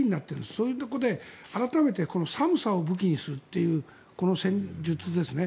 そういうところで改めて寒さを武器にするというこの戦術ですね。